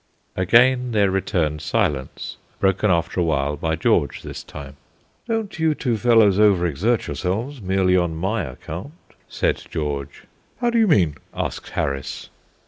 Again there returned silence, broken after awhile by George, this time. "Don't you two fellows over exert yourselves merely on my account," said George. "How do you mean?" asked Harris.